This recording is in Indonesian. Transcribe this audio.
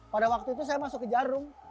pada waktu itu saya masuk ke jarum